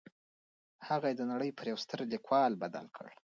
هغه يې د نړۍ پر يوه ستر ليکوال بدل کړ.